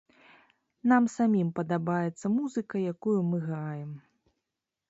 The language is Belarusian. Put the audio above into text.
Нам самім падабаецца музыка, якую мы граем.